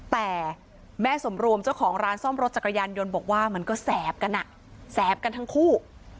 แต่แม่สมรวมเจ้าของร้านซ่อมรถจักรยานยนต์บอกว่ามันก็แสบกันอ่ะแสบกันทั้งคู่